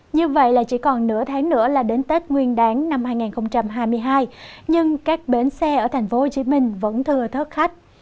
như vậy là chỉ còn nửa tháng nữa là đến tết nguyên đáng năm hai nghìn hai mươi hai nhưng các bến xe ở thành phố hồ chí minh vẫn thừa thớt khách